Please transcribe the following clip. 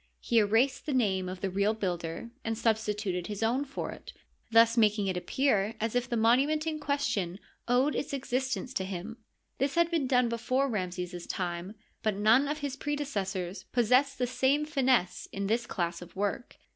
He erased the name of the real builder and substituted his own for it, thus making it ap pear as if the monument in question owed its existence to nim. .This had been done before Ramses's time, but none of his predecessors possessed the same finesse in this class of work.